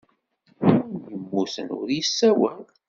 Win yemmuten ur yessawal.